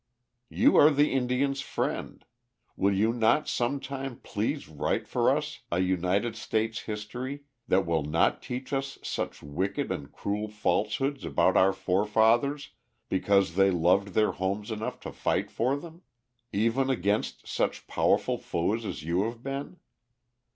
You are the Indians' friend: will you not some time please write for us a United States history that will not teach us such wicked and cruel falsehoods about our forefathers because they loved their homes enough to fight for them even against such powerful foes as you have been."